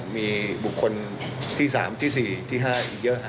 มีบุคคลที่๓ที่๔ที่๕อีกเยอะ